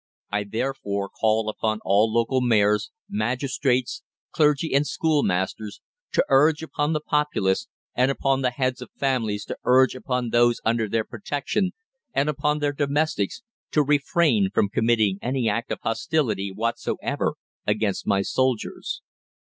I therefore call upon all local mayors, magistrates, clergy, and schoolmasters to urge upon the populace, and upon the heads of families, to urge upon those under their protection, and upon their domestics, to refrain from committing any act of hostility whatsoever against my soldiers.